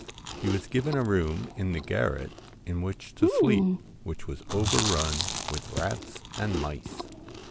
He was given a room in TINGTON the garret, in which to sleep, which was overrun c/J? with rats and mice.